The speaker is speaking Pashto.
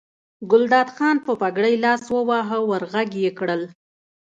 ګلداد خان په پګړۍ لاس وواهه ور غږ یې کړل.